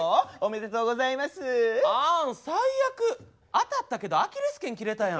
当たったけどアキレス腱切れたやん。